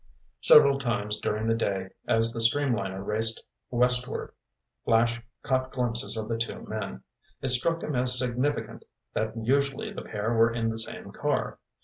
Several times during the day as the streamliner raced westward, Flash caught glimpses of the two men. It struck him as significant that usually the pair were in the same car.